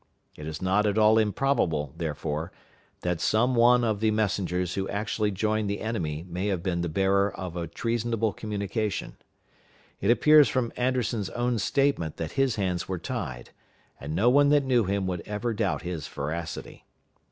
It is not at all improbable, therefore, that some one of the messengers who actually joined the enemy may have been the bearer of a treasonable communication. It appears from Anderson's own statement that his hands were tied, and no one that knew him would ever doubt his veracity.